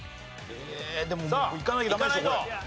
でもいかなきゃダメでしょこれ。